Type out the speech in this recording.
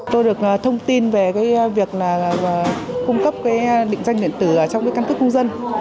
tôi được thông tin về việc cung cấp định danh điện tử trong căn cức công dân